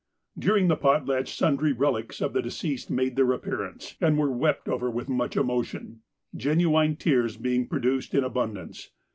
During the potlatch sundry relics of the deceased made their appearance, and were wept over with much emotion, genuine tears being produced in abundance.